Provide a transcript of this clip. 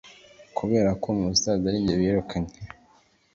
kuberako mubusaza arinjye birukanye